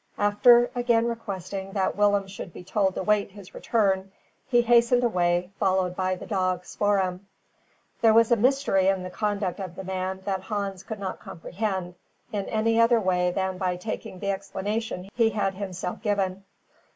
After again requesting that Willem should be told to wait his return, he hastened away, followed by the dog Spoor'em. There was a mystery in the conduct of the man that Hans could not comprehend in any other way than by taking the explanation he had himself given.